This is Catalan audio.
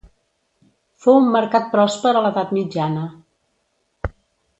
Fou un mercat pròsper a l'edat mitjana.